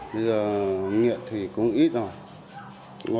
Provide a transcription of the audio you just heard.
bây giờ nghiện thì cũng ít rồi